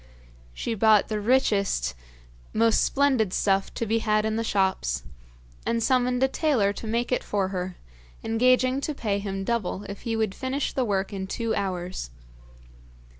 She bought the richest, most splendid stuff to be had in the shops, and summoned a tailor to make it for her, engaging to pay him double if he would finish the work in two hours.